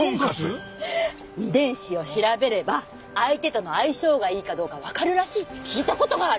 遺伝子を調べれば相手との相性がいいかどうかわかるらしいって聞いた事がある。